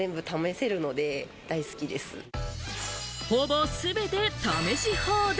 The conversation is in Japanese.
ほぼすべて試し放題！